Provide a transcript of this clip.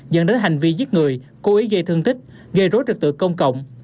dẫn đến hành vi giết người cố ý gây thương tích gây rối trực tự công cộng